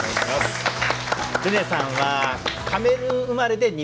ルネさんはカメルーン生まれで日本育ち。